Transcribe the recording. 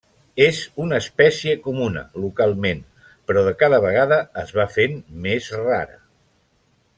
És una espècie comuna localment però de cada vegada es va fent més rara.